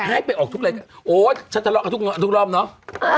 ไม่ให้ผมไปออกทุกรายการโหฉันตะลอกกันทุกรอบเนาะ